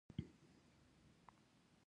چې نظم او نثر دواړو باندې طبېعت ازمائېلے دے ۔